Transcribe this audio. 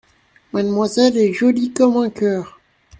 Mademoiselle est jolie comme un cœur !